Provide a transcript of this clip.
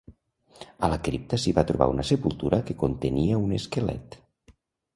A la cripta s'hi va trobar una sepultura que contenia un esquelet.